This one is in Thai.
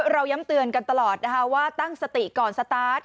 ย้ำเตือนกันตลอดนะคะว่าตั้งสติก่อนสตาร์ท